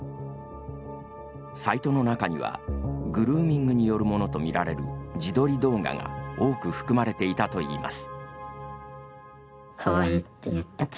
サイトの中には、グルーミングによるものと見られる自撮り動画が多く含まれていたといいます。